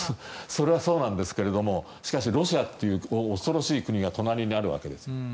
それはそうなんですけれどしかしロシアという恐ろしい国が隣にあるわけです。